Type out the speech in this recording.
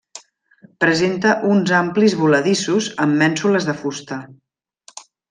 Presenta uns amplis voladissos amb mènsules de fusta.